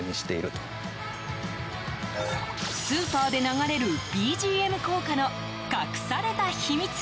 スーパーで流れるＢＧＭ効果の隠された秘密。